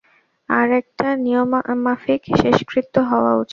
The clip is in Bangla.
তার একটা নিয়মমাফিক শেষকৃত্য হওয়া উচিৎ।